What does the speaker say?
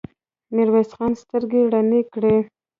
ميرويس خان سترګې رڼې کړې.